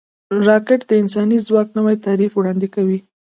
راکټ د انساني ځواک نوی تعریف وړاندې کوي